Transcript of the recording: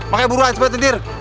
pakai buruan cepet nintir